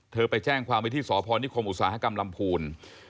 เธอไปแจ้งความวิธีสอพรที่คมอุตสาหกรรมภูมิ